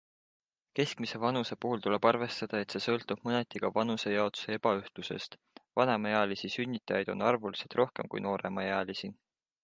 Keskmise vanuse puhul tuleb arvestada, et see sõltub mõneti ka vanusjaotuse ebaühtlusest - vanemaealisi sünnitajaid on arvuliselt rohkem kui nooremaealisi.